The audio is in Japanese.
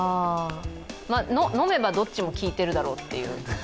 飲めばどっちも効いてるだろうと。